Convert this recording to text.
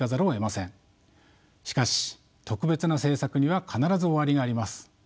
しかし特別な政策には必ず終わりがあります。